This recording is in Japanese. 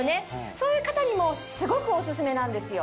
そういう方にもすごくオススメなんですよ。